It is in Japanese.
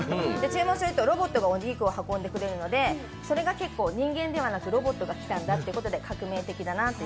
注文するとロボットがお肉を運んでくれるのでそれが結構、人間ではなく、ロボットが来たんだということで革命的だなと。